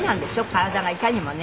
体がいかにもね。